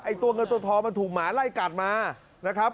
ตัวเงินตัวทองมันถูกหมาไล่กัดมานะครับ